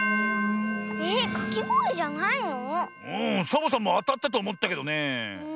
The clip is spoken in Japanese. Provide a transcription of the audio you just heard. サボさんもあたったとおもったけどねえ。